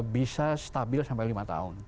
bisa stabil sampai lima tahun